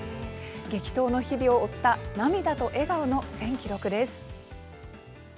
激闘の日々を追った涙と笑顔の全記録です。